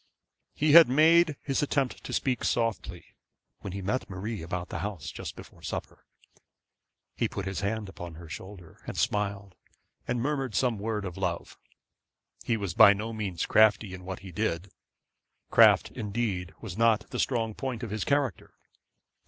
He made his attempt to speak softly when he met Marie about the house just before supper. He put his hand upon her shoulder, and smiled, and murmured some word of love. He was by no means crafty in what he did. Craft indeed was not the strong point of his character.